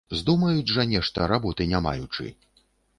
Здумаюць жа нешта, работы не маючы.